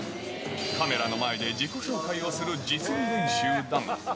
カメラの前で自己紹介をする実技練習だが。